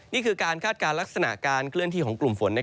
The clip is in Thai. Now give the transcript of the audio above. นี่คือการคาดการณ์ลักษณะการเคลื่อนที่ของกลุ่มฝน